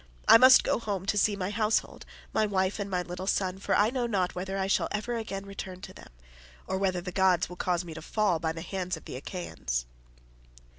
I must go home to see my household, my wife and my little son, for I know not whether I shall ever again return to them, or whether the gods will cause me to fall by the hands of the Achaeans."